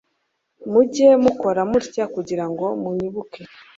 Mujye mukora mutya kugira ngo munyibuke.